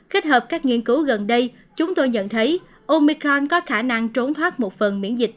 kết hợp các nghiên cứu gần đây chúng tôi nhận thấy omicron có khả năng trốn thoát một phần miễn dịch